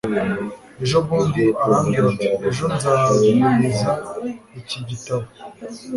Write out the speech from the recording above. ejo bundi arambwira ati ejo nzaguriza iki gitabo